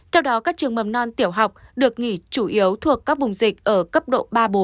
theo đó các trường mầm non tiểu học được nghỉ chủ yếu thuộc các vùng dịch ở cấp độ ba bốn